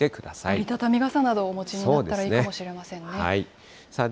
折り畳み傘などをお持ちになったほうがいいかもしれませんね。